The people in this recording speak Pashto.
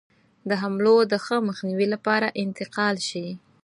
د حملو د ښه مخنیوي لپاره انتقال شي.